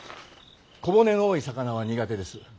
小骨の多い魚は苦手です。